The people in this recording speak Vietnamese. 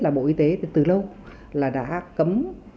là bộ y tế từ lâu đã cấm